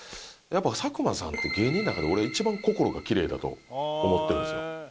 やっぱ佐久間さんって芸人の中で俺は一番心がキレイだと思ってるんですよ。